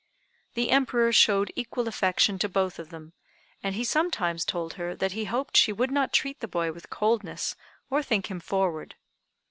The Emperor showed equal affection to both of them, and he sometimes told her that he hoped she would not treat the boy with coldness or think him forward.